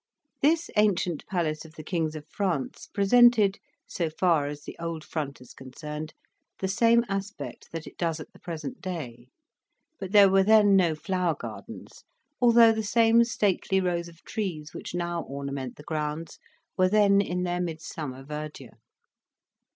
This ancient palace of the Kings of France presented, so far as the old front is concerned, the same aspect that it does at the present day; but there were then no flower gardens, although the same stately rows of trees which now ornament the grounds were then in their midsummer verdure.